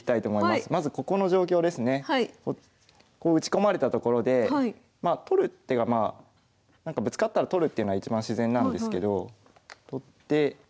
打ち込まれたところでまあ取る手がぶつかったら取るっていうのは一番自然なんですけど取って同歩成同金。